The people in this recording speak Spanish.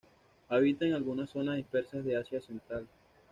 Habita en algunas zonas dispersas de Asia central.